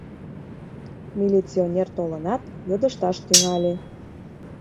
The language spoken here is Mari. Милиционер толынат, йодышташ тӱҥале.